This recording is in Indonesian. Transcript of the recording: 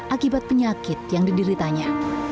akibat penyakit yang didiritanya